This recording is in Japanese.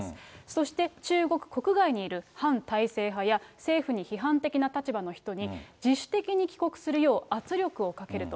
そして中国国外にいる反体制派や、政府に批判的な立場の人に、自主的に帰国するよう圧力をかけると。